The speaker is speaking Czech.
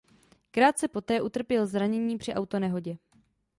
Krátce poté utrpěl zranění při autonehodě.